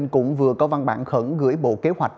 cũng vừa có văn bản khẩn gửi bộ kế hoạch